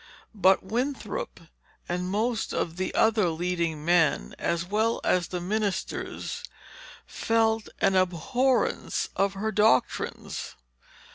But Winthrop, and most of the other leading men, as well as the ministers, felt an abhorrence of her doctrines.